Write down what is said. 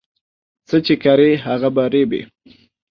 څه چې کرې هغه به ریبې